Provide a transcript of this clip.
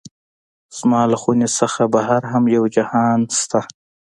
زما له خونې نه بهر هم یو جهان شته دی.